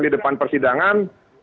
di depan persidangan